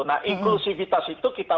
nah inklusifitas itu kita